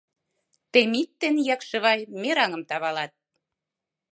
Темит ден Якшывай мераҥым тавалат